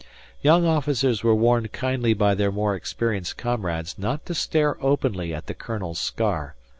Young officers were warned kindly by their more experienced comrades not to stare openly at the colonel's scar.